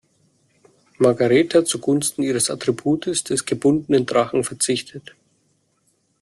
Margaretha zugunsten ihres Attributes, des gebundenen Drachen, verzichtet.